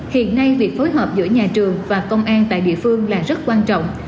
hiện nay việc phối hợp giữa nhà trường và công an tại địa phương là rất quan trọng